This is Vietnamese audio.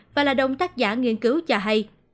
và là đồng tác giả nghiên cứu cho hay